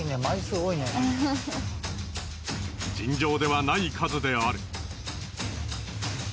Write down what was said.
尋常ではない数である。